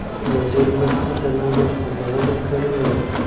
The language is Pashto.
مدیر مخکې د نظم پاملرنه کړې وه.